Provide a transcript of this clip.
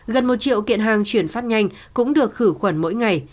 gần một triệu kiện hàng chuyển phát nhanh cũng được khử khuẩn mỗi ngày